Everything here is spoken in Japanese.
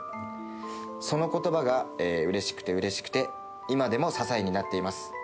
そのことばがうれしくてうれしくて、今でも支えになっています。